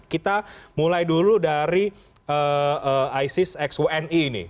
kita mulai dulu dari isis x uni ini